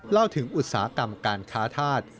เล่าถึงอุตสาหกรรมการค้าธาตุ